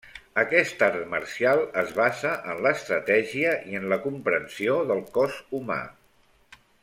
Aquest art marcial es basa en l'estratègia i en la comprensió del cos humà.